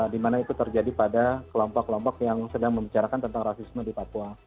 dimana itu terjadi pada kelompok kelompok yang sedang membicarakan tentang rasisme di papua